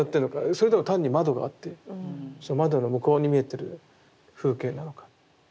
それとも単に窓があって窓の向こうに見えてる風景なのか。